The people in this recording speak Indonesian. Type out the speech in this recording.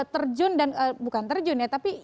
terjun dan bukan terjun ya tapi